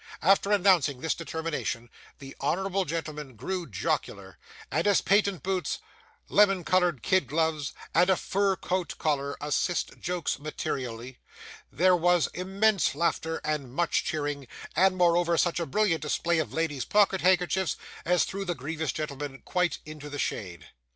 After announcing this determination, the honourable gentleman grew jocular; and as patent boots, lemon coloured kid gloves, and a fur coat collar, assist jokes materially, there was immense laughter and much cheering, and moreover such a brilliant display of ladies' pocket handkerchiefs, as threw the grievous gentleman quite into the shade.